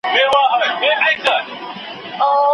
که څه هم په ډېر تلوار